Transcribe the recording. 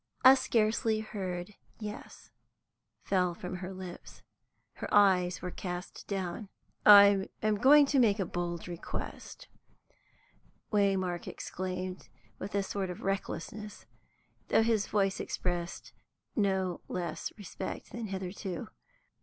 A scarcely heard "yes" fell from her lips. Her eyes were cast down. "I am going to make a bold request," Waymark exclaimed, with a sort of recklessness, though his voice expressed no less respect than hitherto.